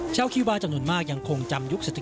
ชาวคิวบาร์จำนวนมากยังคงจำยุคสถานี